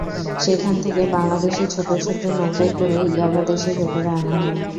সেখান থেকে বাংলাদেশের ছোট ছোট নৌকায় করে ইয়াবা দেশের ভেতরে আনা হয়।